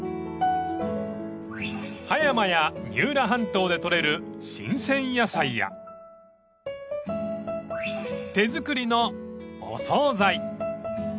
［葉山や三浦半島で採れる新鮮野菜や手作りのお総菜